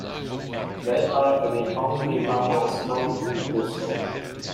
They are the only mammals known to do so.